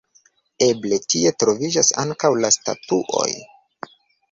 Eble tie troviĝas ankaŭ la statuoj?